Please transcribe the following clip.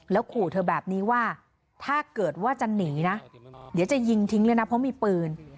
ขู่เธอแบบนี้ว่าถ้าเกิดว่าจะหนีนะเดี๋ยวจะยิงทิ้งเลยนะเพราะมีปืน